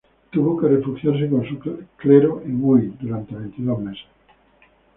Tuvo que refugiarse con su clero en Huy durante veintidós meses.